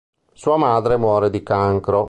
Sua madre muore di cancro.